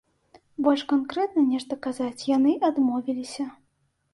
Больш канкрэтна нешта казаць яны адмовіліся.